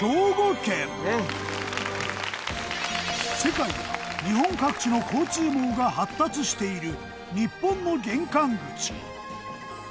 世界や日本各地の交通網が発達している日本の玄関口。